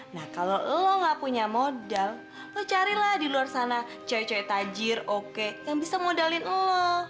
nah kalau lo gak punya modal lo carilah di luar sana cawe cawe tajir oke yang bisa modalin lo